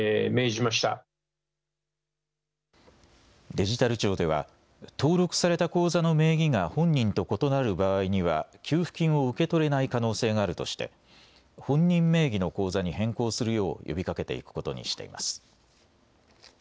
デジタル庁では、登録された口座の名義が本人と異なる場合には、給付金を受け取れない可能性があるとして、本人名義の口座に変更するよう呼びかけていくことにしています。